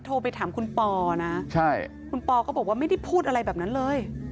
โทรไปถามคุณปอนะคุณปอก็บอกว่าไม่ได้พูดอะไรแบบนั้นเลย